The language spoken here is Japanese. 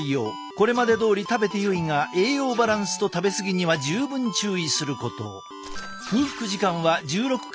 これまでどおり食べてよいが栄養バランスと食べ過ぎには十分注意すること。